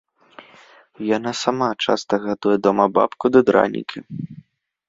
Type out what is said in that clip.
Яна сама часта гатуе дома бабку ды дранікі.